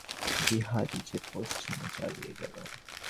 বিহারী যে পশ্চিমে চলিয়া গেল।